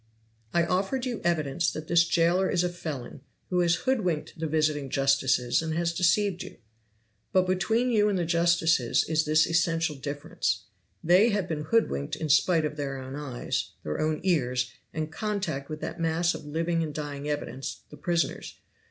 "I offered you evidence that this jailer is a felon, who has hoodwinked the visiting justices and has deceived you. But between you and the justices is this essential difference: they have been hoodwinked in spite of their own eyes, their own ears, and contact with that mass of living and dying evidence, the prisoners.